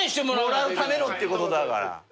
もらうためのってことだから。